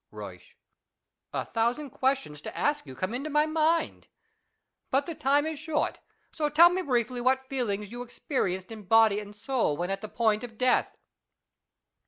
Euysch. A thousand questions to ask you come intoi my mind. But the time is short, so tell me briefly what] feelings you experienced in body and soul when at the: point of death.